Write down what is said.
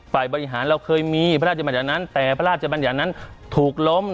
ฝ่ายบริหารเราเคยมีพระราชบัญญัตินั้นแต่พระราชบัญญัตินั้นถูกล้ม